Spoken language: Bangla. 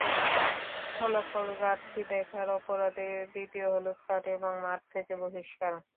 ফলাফল জার্সি দেখার অপরাধে দ্বিতীয় হলুদ কার্ড, এবং মাঠ থেকে বহিষ্কার।